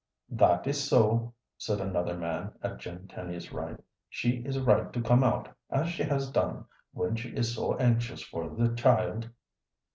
"That is so," said another man at Jim Tenny's right. "She is right to come out as she has done when she is so anxious for the child."